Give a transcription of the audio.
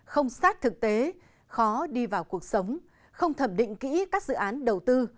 không sát thực tế khó đi vào cuộc sống không thẩm định kỹ các dự án đầu tư